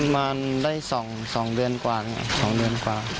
มันได้สองเดือนกว่าสองเดือนกว่า